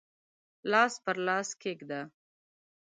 لاس پر لاس کښېږده